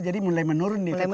jadi mulai menurun kekuatannya